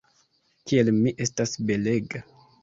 Kiel mi estas belega!